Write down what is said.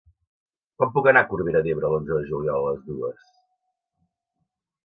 Com puc anar a Corbera d'Ebre l'onze de juliol a les dues?